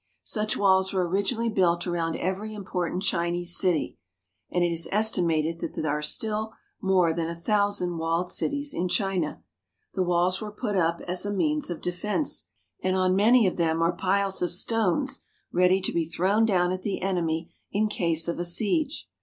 Such walls were originally built around every important Chinese city, and it is estimated that there are still more than a thousand walled cities in China. The walls were put up as a means of defense, and on many of them are piles of stones ready to be thrown down at the enemy in case of a siege.